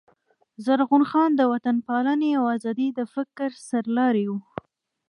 زرغون خان د وطن پالني او آزادۍ د فکر سر لاری وو.